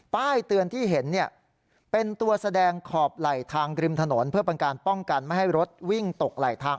ป้ายเตือนที่เห็นเนี่ยเป็นตัวแสดงขอบไหลทางริมถนนเพื่อเป็นการป้องกันไม่ให้รถวิ่งตกไหลทาง